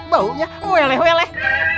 bau nya weleh weleh